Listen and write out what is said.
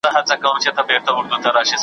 ویلای سم چي، د دې نویو شعرونو او ایجاداتو .